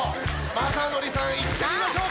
雅紀さんいってみましょうか。